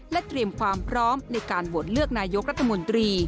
เตรียมความพร้อมในการโหวตเลือกนายกรัฐมนตรี